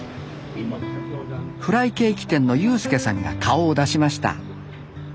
フライケーキ店の悠介さんが顔を出しました